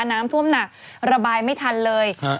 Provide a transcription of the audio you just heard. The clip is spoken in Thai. น้ำท่วมหนักระบายไม่ทันเลย